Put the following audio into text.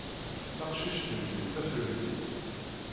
Taqcict-nni d tafremlit.